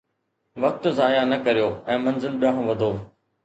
وقت ضايع نه ڪريو ۽ منزل ڏانهن وڌو